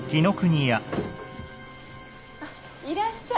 あっいらっしゃい。